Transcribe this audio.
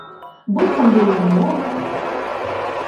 Быццам бы і не многа!